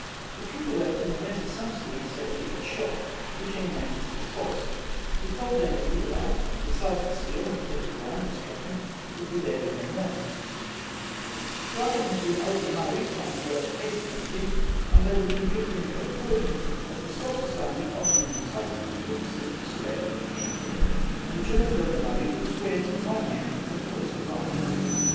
The trooper left and invented some scheme to say that he got shot which any man can see is false, he told Dan to clear out that Sergeant Steel and Detective Brown and Strachan would be there before morning Strachan had been over the Murray trying to get up a case against him and they would convict him if they caught him as the stock society offored an enticement for witnesses to swear anything and the germans over the Murray would swear to the wrong man as well as the right.